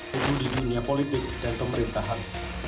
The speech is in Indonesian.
pengenian politik dan pemerintahan